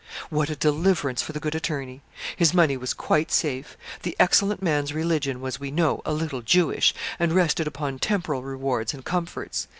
What a deliverance for the good attorney. His money was quite safe. The excellent man's religion was, we know, a little Jewish, and rested upon temporal rewards and comforts.